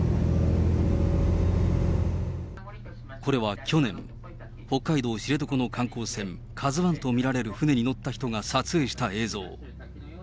これは去年、北海道知床の観光船、カズワンと見られる船に乗った人が撮影した映像。